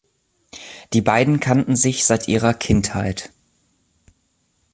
Die beiden kannten sich seit ihrer Kindheit.